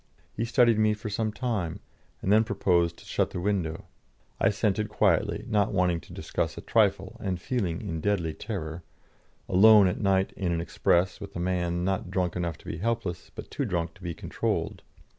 He studied me for some time, and then proposed to shut the window. I assented quietly, not wanting to discuss a trifle and feeling in deadly terror alone at night in an express with a man not drunk enough to be helpless, but too drunk to be controlled.